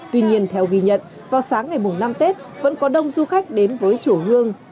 tuy nhiên theo ghi nhận vào sáng ngày năm tết vẫn có đông du khách đến với chùa hương